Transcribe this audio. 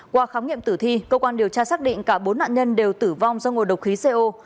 qua khám nghiệm tử thi cơ quan điều tra xác định cả bốn nạn nhân đều tử vong do ngồi độc khí co